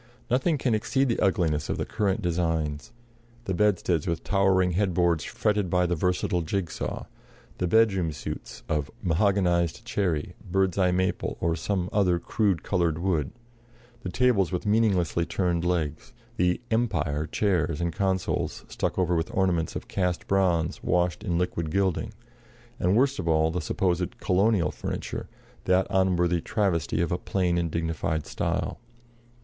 Nothing can exceed the ugliness of the current designs: the bedsteads with towering head boards fretted by the versatile jig saw; the "bedroom suits" of "mahoganized" cherry, bird's eye maple, or some other crude colored wood; the tables with meaninglessly turned legs; the "Empire" chairs and consoles stuck over with ornaments of cast bronze washed in liquid gilding; and, worst of all, the supposed "Colonial" furniture, that unworthy travesty of a plain and dignified style.